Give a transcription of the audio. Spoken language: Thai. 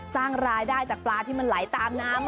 สร้างรายได้จากปลาที่มันไหลตามน้ำ